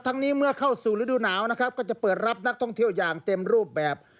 นี้เมื่อเข้าสู่ฤดูหนาวนะครับก็จะเปิดรับนักท่องเที่ยวอย่างเต็มรูปแบบ